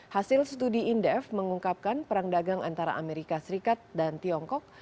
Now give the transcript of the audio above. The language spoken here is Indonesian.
hasil studi indef mengungkapkan perang dagang antara amerika serikat dan tiongkok